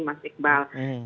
masih ada yang menyebutnya